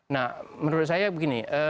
nah menurut saya begini